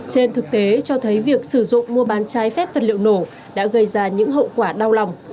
trên thực tế cho thấy việc sử dụng mua bán trái phép vật liệu nổ đã gây ra những hậu quả đau lòng